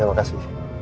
terima kasih pak